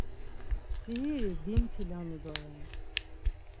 Sihiri dimtilanu doren.